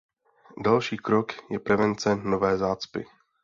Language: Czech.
Další krok je prevence nové zácpy.